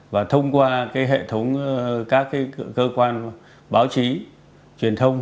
và thông qua hệ thống các cơ quan báo chí truyền thông